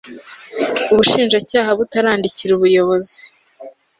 ubushinjacyaha butarandikira ubuyobozi